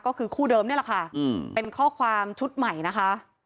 ก็คือคู่เดิมนี่แหละค่ะเป็นข้อความชุดใหม่นะคะ